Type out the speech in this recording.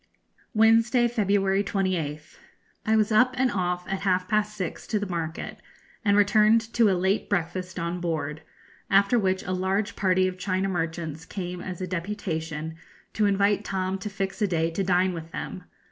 Wednesday, February 28th. I was up and off at half past six to the market, and returned to a late breakfast on board; after which a large party of China merchants came as a deputation to invite Tom to fix a day to dine with them.